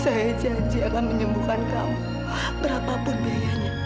saya janji akan menyembuhkan kamu berapa pun biayanya